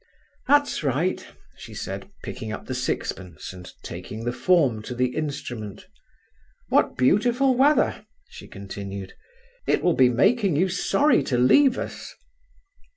"That's right," she said, picking up the sixpence and taking the form to the instrument. "What beautiful weather!" she continued. "It will be making you sorry to leave us."